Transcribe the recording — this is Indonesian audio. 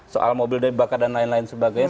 soal mobil dari bakar dan lain lain sebagainya